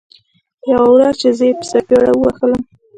يوه ورځ چې زه يې په څپېړو ووهلم.